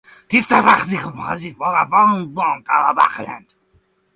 This service is composed of a web form and back-end.